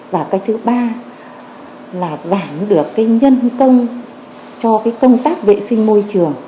và cái thứ ba là giảm được cái nhân công cho cái công tác vệ sinh môi trường